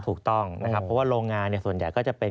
ถูกต้องนะครับเพราะว่าโรงงานส่วนใหญ่ก็จะเป็น